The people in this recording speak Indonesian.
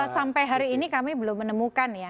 sampai hari ini kami belum menemukan ya